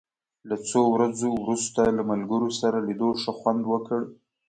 له څو ورځو وروسته له ملګرو سره لیدو ښه خوند وکړ.